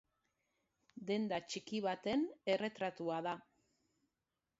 Denda txiki baten erretratua da.